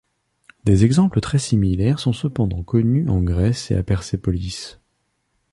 Des exemples très similaires sont cependant connues en Grèce et à Persépolis.